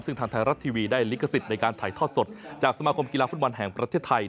ซึ่งทางไทยรัฐทีวีได้ลิขสิทธิ์ในการถ่ายทอดสดจากสมาคมกีฬาฟุตบอลแห่งประเทศไทย